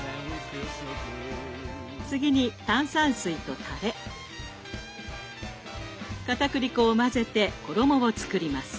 次に炭酸水とたれかたくり粉を混ぜて衣を作ります。